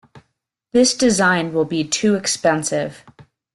This design will be too expensive.